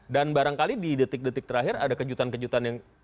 dan barangkali di detik detik terakhir ada kejutan kejutan yang